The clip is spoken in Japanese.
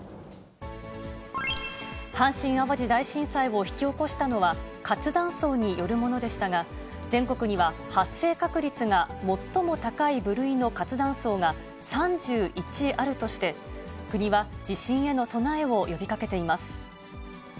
阪神・淡路大震災を引き起こしたのは活断層によるものでしたが、全国には発生確率が最も高い部類の活断層が３１あるとして、国は地震への備えを呼びかけています。